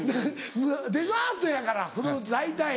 デザートやからフルーツ大体。